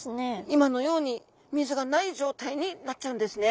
今のように水がない状態になっちゃうんですね。